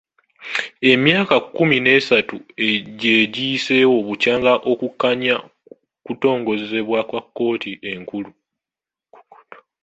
Emyaka kkumi n'esatu gye giyiseewo bukyanga okukkaanya kutongozebwa kkooti enkulu.